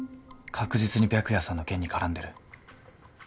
確実に白夜さんの件に絡んでる。